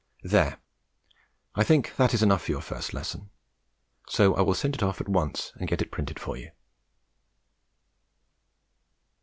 There, I think that is enough for your first lesson, so I will send it off at once and get it printed for you.